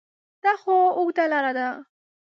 دا خو اوږده لاره ده ؟